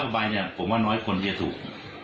๒๐๐บาทเนี่ยผมว่าน้อยคนแค่ถูก